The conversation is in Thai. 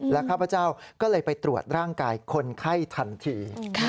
ข้าพเจ้าก็เลยไปตรวจร่างกายคนไข้ทันที